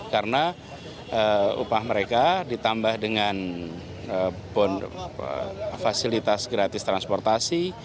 karena upah mereka ditambah dengan fasilitas gratis transportasi